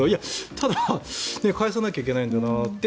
ただ返さなきゃいけないんだなと。